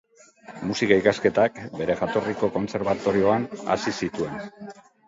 Musika-ikasketak bere jaioterriko kontserbatorioan hasi zituen.